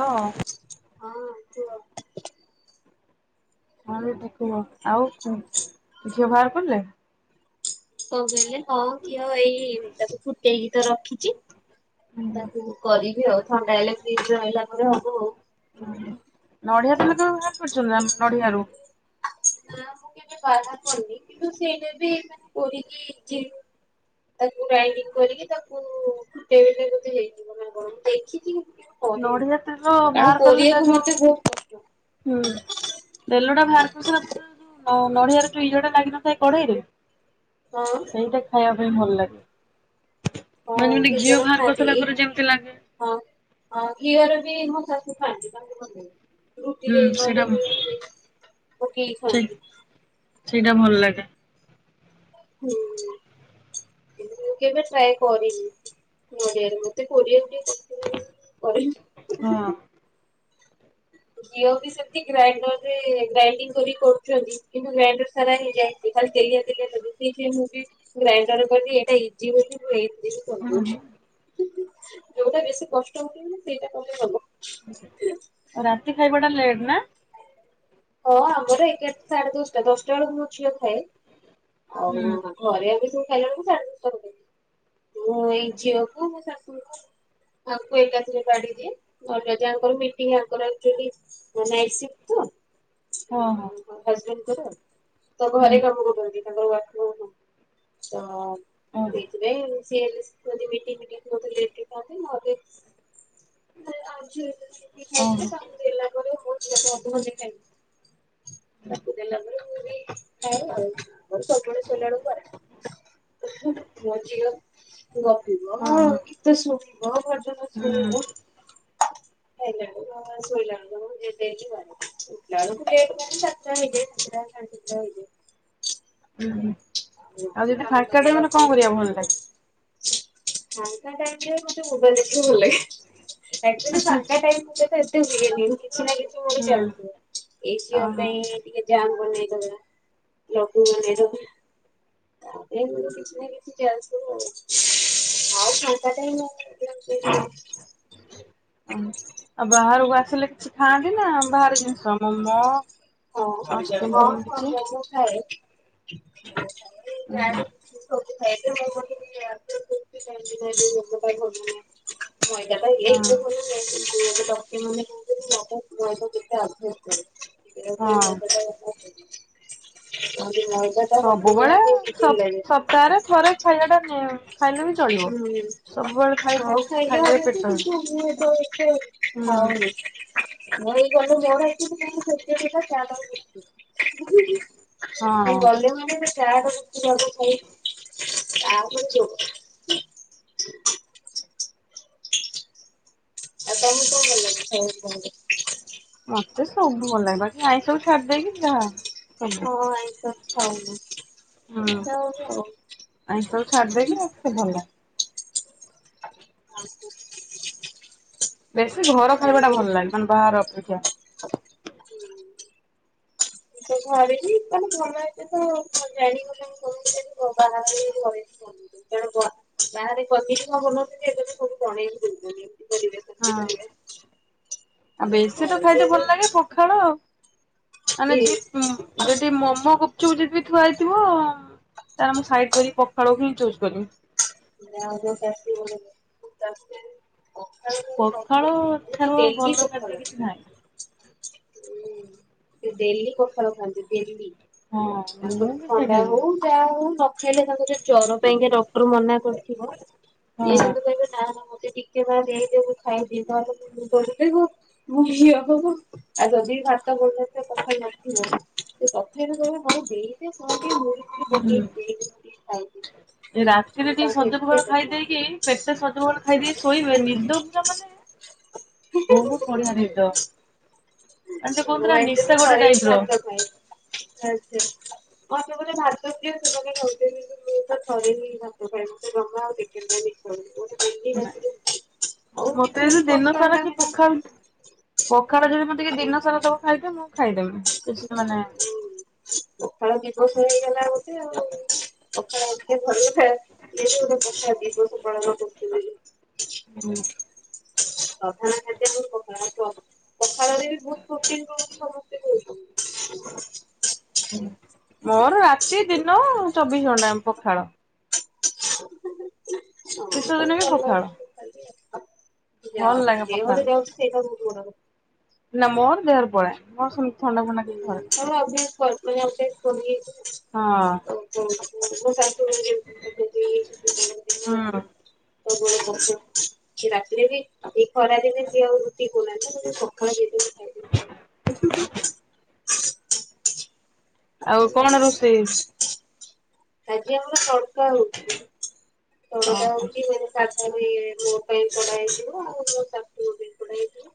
ହଁ। ହଁ କୁହ ହଁ ଦିଦି କୁହ ଆଉ ଝିଅ ବାହାର କଲେ? କଣ କହିଲେ ହଁ ଘିଅ ଏଇ ତାକୁ ଫୁଟେଇକି ତ ରଖିଛି। ତାକୁ ମୁ କରିବି ଆଉ ଥଣ୍ଡା ହେଲେ ଫ୍ରିଜ ରହିଲା ପରେ ଆଉ। ହୁ ନଡିଆ ତେଲ ଲୋକ କରୁଛନ୍ତି ନା ନଡିଆ ରୁ? ନା ମୁଁ କେବେ ବାଧା କରିନି କିନ୍ତୁ ସେଇଟା ବି କରିକି ଯି ତାକୁ ଗ୍ରାଇଣ୍ଡିଙ୍ଗ କରିକି ତାକୁ [unintelligible] ବୋଧେ ହେଇଯିବ କ କଣ ମୁ [unintelligible] କରିନି ନଡିଆ ତେଲ ବାହାର କାରଣ କଲେ ତା କରିବାକୁ ଯୋଉ ମତେ ବୋହୁତ ହୁଁ। ତେଲ ଟା ବାହାର କରିସିଲା ଯୋଉ ନଡିଆରେ ଯୋଉ ଇଏଟା ଲାଗିିନଥାଏ କଡେଇରେ ହଁ। ଏଇଟା ଖାଇବା ପାଇଁ ଭଲ ଲାଗେ, ହଁ ମାନେ କେତେ ଘିଅ ଜଣ ବାହାର ଖାଆନ୍ତି କରିସାଲା ଏଇ ପରେ ଯେମିତି ଲାଗେ। ହଁ ଘିଅର ବି ମୋ ଶାଶୁ ଖାଆନ୍ତି ତାଙ୍କୁ ଭଲ [unintelligible] ରୋଟି ହୁଁ ଦେଇ ସେଇଟା [unintelligible] ପକେଇ ସେ ଖାଆନ୍ତି। ସେଇଟା ଭଲ ଲାଗେ। ହୁଁ। ମୁଁ କେବେ ଟ୍ରାଏ କରିନି, [unintelligible] କୋରିଆ ହଁ। [unintelligible] [inaudible] ମୁଁ ବି ସେମିତି ଗ୍ରାଇଣ୍ଡର ରେ ଗ୍ରାଇଡିଙ୍ଗ କରି କରୁଛନ୍ତି କିନ୍ତୁ ଗ୍ରାଇଣ୍ଡର ସାରା ହେଇଯାଏ। ଏ ଖାଲି ତେଲିଆ ତେଲିଆ ଲାଗୁ ମୁଁ ବି ଗ୍ରାଇଣ୍ଡର କରି ଏଇଟା ଇଜି ବୋଲି ମୁଁ [unintelligible] ଯୋଉଟା ବେଶୀ କଷ୍ଟ [unintelligible] ସେଇଟା କଲେ [unintelligible] ରାତି ଖାଇବା ଟା ଲେଟ୍ ନା? ହଁ ଆମର ଏଗାର ଟା ସାଢେ ଦଶଟା, ଦଶଟା ବେଳକୁ ମୋ ଝିଅ ଖାଏ। ହୁଁ ଆଉ ଘରେ ଆମେ ସବୁ ଖାଇଲା ବେଳକୁ ସାଢେ ଦଶ ଟା ହେଇଯାଏ। ମୁଁ ଏଇ ଝିଅକୁ ମୋ ଶାଶୁଙ୍କୁ ଆକୁ ଏକାଥରେ କାଢି ଦିଏ। [unintelligible] ମିଟିଙ୍ଗ୍ ୟାଙ୍କର ଆକଚୁଆଲି ନାଇଟ୍ ସିଟ୍ ତ। ହଁ ହଁ। ମୋ ହଜବେଣ୍ଡ ଙ୍କର ତ ଘରେ ହୁଁ କାମ କରୁଛନ୍ତି। ତାଙ୍କର ୱାର୍କ ଫ୍ରମ୍ ହୋମ୍। ଓହୋ ସେଇଥିପାଇଁ ସେ [unintelligible] ମିଟିଂ ଫିଟିଂ। [unintelligible] [unintelligible] ଅ ହଁ। ତାଙ୍କୁ ଦେଲା ପରେ ମୋ ଝିଅ ତ ଅଧଘଣ୍ଟେ ଖାଇବ। ତାକୁ ଦେଲା ପରେ ମୁଁ ବି ଖାଏ ଆଉ। ମୋର ସବୁବେଳେ ଶୋଇଲା ବେଳକୁ ବାରଟା। ମୋ ଝିଅ ଗପିବ ହଁ ସେ ଶୁଣିବ ଭଜନ ହଁ ହୁଁ। ଶୁଣିବ [unintelligible] ଶୋଇଲା ବେଳକୁ ଡେଲି ବାରଟା। [unintelligible] ହୁଁ ହୁଁ। ଆଉ ଯଦି କାମ ଫାଙ୍କା କରିବା ଟାଇମ୍ ରେ କଣ କରିବାକୁ ଭଲ ଲାଗେ? ଫାଙ୍କା ଟାଇମରେ ମତେ ମୋବାଇଲ ଦେଖିବାକୁ ଭଲ ଲାଗେ। ଆକଚୁଆଲି ଫାଙ୍କା ଟାଇମ୍ ମତେ ଏତେ ହୁଏନି। ମୁଁ କିଛି ନା କିଛି ଗୋଟେ ହୁଁ। ଚାଲିଥିବ। ଏଇ ଝିଅ ଓହୋ ପାଇଁ ଟିକେ ଜାମ୍ ବନେଇଦବା, ଲଡୁ ବନେଇଦବା। ତାପରେ ମୋର କିଛି ନା କିଛି ଚାଲିଥିବ ଆଉ। ଆଉ ଫାଙ୍କା ଟାଇମ୍। [unintelligible] ଆଉ ବାହାରକୁ ଆସିଲେ କିଛି ଖାଆନ୍ତି ନା ବାହାର ଜିନିଷ ମୋମୋ [unintelligible] [unintelligible] ଆଉ ଚିକେନ ଫିକେନ କିଛି? ହୁଁ ମଇଦା ଟା। ହଁ [unintelligible] ହଁ [unintelligible] [inaudible] ସବୁବେଳେ ସ ସପ୍ତାହରେ ଥରେ ଖାଇବା ଟା ନି ଖାଇଲେ ବି ଚଳିବ ସବୁବେଳେ ଖାଇବ ଖାଇଲେ ପେଟ [unintelligible] ହୁଁ। [unintelligible] ଚା କୁ ବିସ୍କୁଟ ଆଗ ହଁ ଖାଇବି। ତାପରେ ଯୋଉ କଥା। ଆଉ ତମୁକୁ କଣ ଭଲ ଲାଗେ? ମତେ ସବୁ ଭଲ ଲାଗେ। ବାକି ଆଇଁଷ କୁ ଛାଡି ଦେଇକି ଯାହା। ସବୁ। ହଁ ଆଇଁଷ ଖାଉନ। ଇଛା ହଉନି ଆଉ। ଆଇଁଷ କୁ ଛାଡି ଦେଇକି ଆଉ ସବୁ ଭଲ। [inaudible] ବେଶୀ ଘର ଖାଇବା ଟା ଭଲ ଲାଗେ। ମାନେ ବାହାର ଅପେକ୍ଷା। [inaudible] [unintelligible] [unintelligible] ହଁ [unintelligible] ଆଉ ବେଶୀ ତ ଘରେ ବି ଖାଇତେ ଏବେ ଭଲ ଲାଗେ ପଖାଳ ଆଉ। ଆମେ ଯି ଯଦି ମୋମୋ ଗୁପଚୁପ ଯଦି ବି ଥୁଆ ହେଇଥିବ ତାନେ ମୁଁ ସାଇଟ୍ କରି ପଖାଳକୁ ହିଁ ଚୁଜ୍ କରିବି। [unintelligible] ପଖାଳ [unintelligible] ଏଠି ଠାରୁ ଡେଲି ଭଲ ପଖାଳ ଖାଦ୍ୟ ହଉଛି। କିଛି ନାହିଁ। ସେ ଡେଲି ପଖାଳ ଖାଆନ୍ତି ଡେଲି। ହଁ ମୁଁ ତାଙ୍କୁ ବି ଥଣ୍ଡା ସେଇଟା ବି ହଉ ଯାହା ହଉ ନ ଖାଇଲେ ତାଙ୍କୁ ଯଦି ଜର ପାଇଁକା ଡକ୍ଟର ମନା କରିଥିବ ଇଏ ହଁ କିନ୍ତୁ କହିବେ ନା ନା ମତେ ଟିକେ ବା ଦେଇ ଦିଆ ମୁଁ ଖାଇ ଦିଏ [unintelligible] ମୁଁ ଝିଅ କୁ ଆଉ ଯଦି ଭାତ ଗୋଟ [unintelligible] ନଥିବ ସେ [unintelligible] ହୁଁ। [unintelligible] ରାତିରେ କିନ୍ତୁ ଟିକେ ତାଙ୍କୁ ସଜ ଏତେ ପଖାଳ ଖାଇ ଦରକାର ଦେଇକି, ପେଟେ ସଜ ପଖାଳ ଖାଇଦେଇିକି ଶୋଇବେ ନିଦ ପୁରା ମାନେ ବହୁତ ବଢିଆ ନିଦ। ମାନେ ଯୋଉ କୁହନ୍ତି ମୁ ନା ନିଶା ଆକ୍ଚୁଆଲି ଗୋଟେ ଥରେ ଟାଇପ ହିଁ ର। ଭାତ ଖାଏ। [unintelligible] [unintelligible] ଡେଲି ରାତିରେ ଆଉ ମତେ କିଛି ଯଦି ଦିନ କଷ୍ଟ ସାରା ହେଲା କିଏ ମାନେ ପଖାଳ ପଖଳ ଯଦି ମତେ କିଏ ଦିନ ସାରା ଦବ ଖାଇତେ ମୁଁ ଖାଇଦେମିି। କିଛି ମାନେ ପଖାଳ ଦିବସ ହେଇଗଲା ଗୋଟେ ଆଉ। ପଖାଳ ଆଉ ଟିକିଏ [unintelligible] ପଖାଳ ଦିବସ ପାଳନ କରୁଥିଲି। ହୁଁ। ପ୍ରଧାନ ଖାଦ୍ୟ [unintelligible] ପଖାଳ। ପଖାଳରେ ବି ବହୁତ ପ୍ରୋଟିନ ରହୁଛି। [unintelligible] [inaudible] ମୋର ରାତି ଦିନ ଚବିଶ ଘଣ୍ଟା ପଖାଳ। [inaudible] ଯାହା ହେଉ ଶୀତ ଦିନ ବି ଦେହ ପଖାଳ ରେ ଯାଉଚି ସେଇଟା ଭଲ ଲାଗେ ବହୁତ ପଖାଳ ବଡ଼ କଥା। ନା ମୋର ଦେହରେ ପଳାଏ। ମୋର ସେମିତି ଥଣ୍ଡା ଫଣ୍ଡା କିଛି ଧରେନି। [unintelligible] ପଡ଼ି ଯାଇଚି ସେଥିପାଇଁ। ହଁ [inaudible] [unintelligible] କି ରାତିରେ ବି ଆଉ ହୁଁ ଏଇ ଖରାଦିନେ ସେ ଆଉ ରୁଟି [unintelligible] ମତେ ପଖାଳ ଦେଇ ଦିଆ ମୁଁ ଖାଇ ଦେବି। [inaudible] ଆଉ କଣ ରୋଷେଇ? ଆଜି ଆମର ତଡକା ହଉଚି। ତଡକା ଓହୋ ହଉଛି ମାନେ ତା ସାଙ୍ଗରେ ମୋ ପାଇଁ କଢା ହେଇ ଯିବ ମୋ ଶାଶୁ ଙ୍କ ପାଇଁ କଢା ହୋଇଯିବ।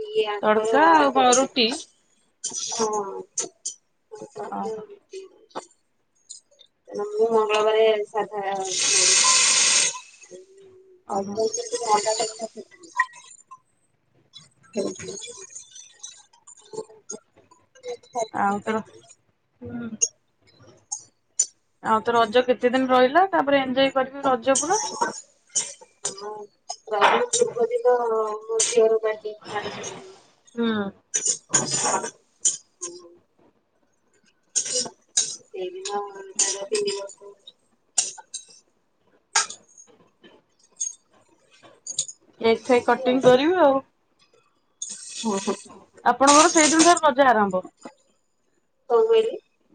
ଇଏ ଆଙ୍କର ତଡକା ଅଣ୍ଡା ଆଉ କଣ ତଡକା। ରୁଟି ହଁ। ଓହୋ [unintelligible] ତେଣୁ ମୁଁ ମଙ୍ଗଳବାରେ ସାଧା। [inaudible] ଓହୋ ଅଣ୍ଡା ତଡକା [inaudible] [unintelligible] ଆଉ ତୋର ହୁଁ। ଆଉ ତ ରଜ କେତେ ଦିନ ରହିଲା ତାପରେ ଏଞ୍ଜୋୟ କରିବି ରଜ ପୁରା। ହଁ ରଜର ପୂର୍ବ ଦିନ ମୋ ଝିଅର ବା ଏଇ ବାର ହୁଁ ତାରିଖ ଦିନ ହଁ। ସେଇ ଦିନ ତାର ତିନି ବର୍ଷ ହଉଚି। କେକ୍ ଫେକ୍ ଏମିତି କଟିଂ ଆଉ କରିବି ହଁହଁ। ଆପଣଙ୍କର ସେଇଦିନ ଠୁ ରଜ ଆରମ୍ଭ? କହିଲେ?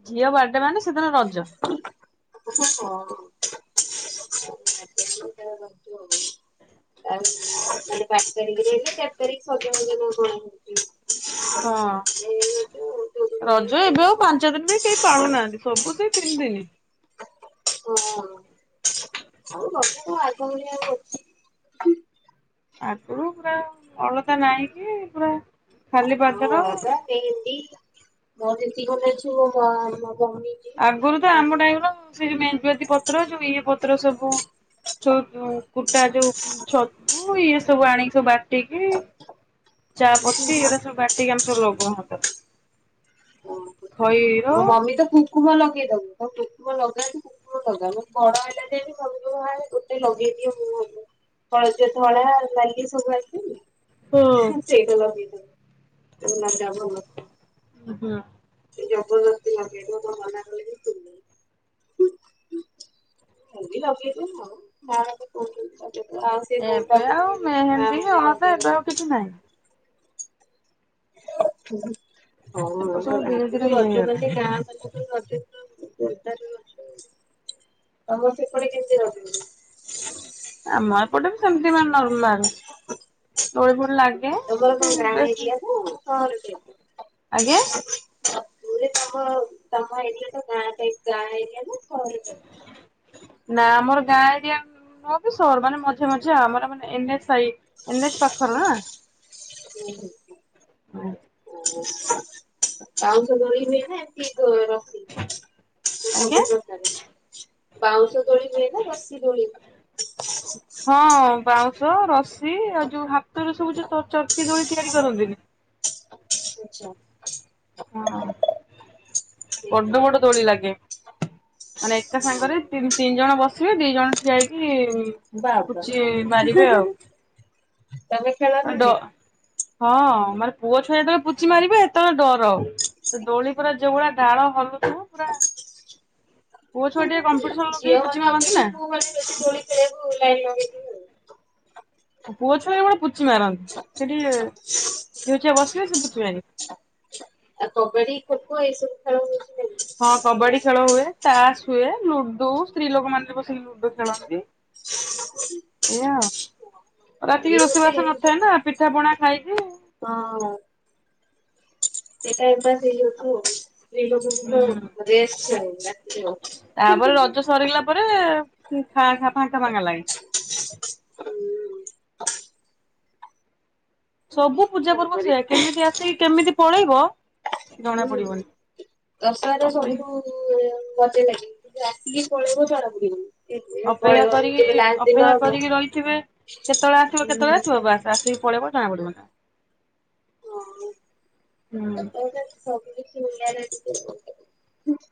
ଝିଅ ବାଡେ ମାନେ ସେ ଦିନ ରଜ। [inaudible] [inaudible] ଆଉ ପାଞ୍ଚ ତାରିଖରେ ଚାରି ତାରିଖ ସଜ ହେବେ ନା କଣ ହଉଚି? ହଁ ରଜ ଏବେ ଆଉ ପାଞ୍ଚ ଦିନି ବି କେହି ପାଳୁନାହାନ୍ତି ସବୁ ସେଇ ତିନି ଦିନି। ହଁ ମା ଆଉ ବରଷା କଣ ଆଗ ଭଳିଆ ଆଉ ଅଛି। ଆଗରୁ ପୁରା ଅଳତା ନାଇ କି ପୁରା। ଖାଲି ହଁ ପାଦର ଅଳତା ମେହେନ୍ଦି ମୋର ଯେତିକି ଖଣ୍ଡେ ଅଛି ମୋ ଭଉଣୀ। ଆଗରୁ ତ ଆମ ଟାଇମ ର ସେ ଯୋଉ ମେଞ୍ଜୁଆତି ପତ୍ର ଯୋଉ ଇଏ ପତ୍ର ସବୁ। ଛ କୁଟା ଯୋଉ ଛ ଇଏ ସବୁ ଆଣିକି ସବୁ ବା ବାଟିକି ଚା ପତି ଏରା ସବୁ ବାଟିକି ଆମେ ସବୁ ଲଗଉ ହାତରେ। ଖଇର ମୋ ମମି ତ କୁକୁମ ଲଗେଇଦବୁ ତ କୁକୁମ ଲଗାନ୍ତି କୁ କୁ ଲଗା ମୁଁ ବଡ଼ ହେଲା ଯାଏ ବି ମମି କହିବ ହଁ ମୁଁ ଗୋଟେ ଲଗେଇଦିଏ ମୁହଁକୁ। ହଳଦିଆ, ଧଳା ଆଉ ନାଲି ସବୁ ଆସେନି? ହୁଁ ସେଇଟା ଲଗେଇଦବ ତୁମାକାବୁ ହବ। ଉଁ ହଁ। ଜବରଦସ୍ତି ଲଗେଇବ ଖାଲି ଲଗେଇ ଦିଏ ଆଉ ମୋ ହାତ କୋଉଚନ୍ତି କଚେ ପୁଅ ଆସ୍ ଏବେ ଆଉ ମେହେନ୍ଦୀ ଅଳତା ଏବେ ଆଉ କିଛି ନାହିଁ। ହଁ ଏବେ ଅ ସବୁ ଧୀରେ ଧୀରେ ଆଗୁରୁ ଇଏ ରଜ ହେଇଗଲା। ମାନେ ଗାଁମାନେ ତମ ସେପଟେ କେମିତି ରଜ ହୁଏ? ଆମ ଏପଟେ ବି ସେମତି ମାନେ ନର୍ମାଲ। ଦୋଳି ଫୋଳି ଲାଗେ ଏମତି ବେ ଏରିଆକୁ ସହର ଟାଇପ୍ ର। ଆଜ୍ଞା? ଅ ମୁଁ ଅଇଲି ତମ ତମ ଏରିଆଟା ଗାଁ ଟାଇ ଗାଁ ଏରିଆ ନାଁ ସହର ଟାଇ ନାଁ ଆମର ଗାଁ ଏରିଆ ନୁହଁ ବି ସହର ମାନେ ମଝି ମଝିଆ ଆମର ମାନେ ଏନ୍ ଏଚ୍ ସାଇ ଏନ ଏଚ ପାଖ ନା। ହଁ ହଁ ହଁ। ଉଁ। ବାଉଁ ସ ବୋଳି ହେଇଥାଏ କି ରଶି ଆଜ୍ଞା ସବୁ ପ୍ର ବାଉଁଶ ଦୋଳି ହୁହଏ ନା ଦଶୀ ଦୋଳି ହୁଏ। ହଁ ବାଉଁଶ ରସି ଆଉ ଯୋଉ ହାତରେ ସବୁ ଯୋଉ ଚକି ଦୋଳି ତିଆରି କରନ୍ତି। ଆଛା। ହଁ ବଡ ବଡ ତୋଳି ଲାଗେ। ମାନେ ଏକା ସାଙ୍ଗରେ ତିନି ତିନି ଜଣ ବସିବେ ଦି ଜଣ ଠିଆଇକି ହେଇ ବାବା ପୁଚି ମାରିବେ ଆଉ ତମେ ଖେଳ ନା ଆଣ୍ଡ। ନାଇଁ? ହଁ ମନେ ପୁଅ ଛୁଆ ଯେତେବେଳେ ପୁଚ ମାରିବେ ହେତେବେଳେ ଡର ସେ ଦୋଳି ପୁରା ଯୋଉଭଳିଆ ଡାଳ ହଲୁଥୁବ ପୁରା। ପୁଅ ଛୁଆ ଟିକେ କମ୍ପିଟିସନ ଝିଅ ଲଗେଇକି ପୁଚି ମନେ ମାରନ୍ତି ନା। ଅପେକ୍ଷା ପୁଅ ମାନ ବେଶି ଦୋଳି ଖେଳକୁ ଲାଇନ୍ ଲଗେଇଥିବେ। ଆଉ। ପୁଅ ଛୁଆ ମାନେ ପୁଚୀ ମାରନ୍ତି ସେଠି ଝୀଅଛୁଆ ବସିବେ ସେ ପୁଛିି ମାରିବେ। ଆ କବା୍ଡି ଖୋଖୋ ଏସବୁ। ହଁ କବାଡି ଖେଳ ହୁଏ ତାସ୍ ହୁଏ ଲୁଡୁ ସ୍ତ୍ରୀ ଲୋକ ମାନେ ବସି ଲୁଡୁ ଖେଳନ୍ତି। ଏଆ ଆଉ ଇଏ ରାତିକି ଗୋଟେ ରୋଷେଇବାସ ନଥାଏନା ପିଠା ପଣା ଖାଇକି ହଁ। ଏଟାପା ହୁଁ [unintelligible] ତାପରେ ରଜ ସରଗିଲା ପରେ ଫା ଫାଙ୍କା ଫାଙ୍କା ଲାଗେ। କଣ ସବୁ ପୂଜା ପର୍ବ କରିବା? ସେଆ କେମିତି ଆସିକି କେମିତି ପଳେଇବ ଜଣା ପଡ଼ିବନି। ଦଶହରାରେ ସବୁ ମଜା ଲାଗେ କିନ୍ତୁ ଆସିକି ପଳେଇବ ଜଣା ପଡ଼ିବନି। ଅପେକ୍ଷା କରିକି ଅପେକ୍ଷା ହୁଁ। କରିକି ରହିଥିବେ କେତେବେଳେ ଆସିବ କେତେବେଳେ ଆସିବ ବାସ୍ ଆସି ପଳେଇବ ଜଣା ପଡ଼ିବନି ହୁଁ। ହଁ ସେତେବେଳେ ସବୁ [unintelligible]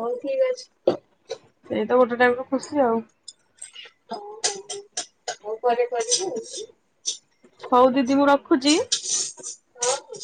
ହଉ ଠିକ୍ ଅଛି। ସେଇତ ଗୋଟେ ଟାଇମରେ ଖୁସି ଆଉ। ଓ ହଁ ହଁ ହଁ ହଉ ପରେ କରିବୁ ଉଁ। ହଉ ଦିଦି ମୁଁ ରଖୁଛି। ଆଉ।